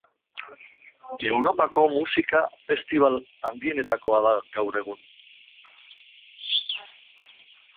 Europako musika festibal handienetakoa da gaur egun.